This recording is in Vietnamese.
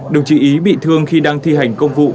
đồng chí ý bị thương khi đang thi hành công vụ